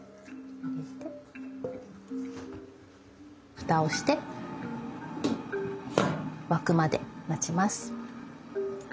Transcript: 蓋をして沸くまで待ちます。